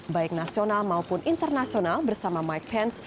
baik nasional maupun internasional bersama mike pence